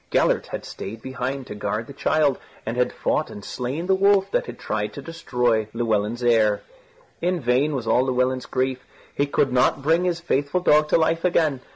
Gellert had stayed behind to guard the child and had fought and slain the wolf that had tried to destroy Llewelyn's heir. In vain was all Llewelyn's grief; he could not bring his faithful dog to life again.